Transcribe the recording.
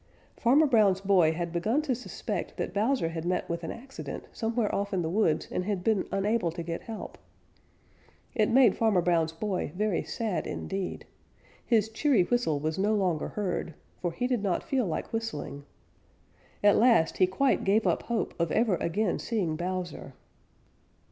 Farmer Brown's boy had begun to suspect that Bowser had met with an accident somewhere off in the woods and had been unable to get help. It made Farmer Brown's boy very sad indeed. His cheery whistle was no longer heard, for he did not feel like whistling. At last he quite gave up hope of ever again seeing Bowser.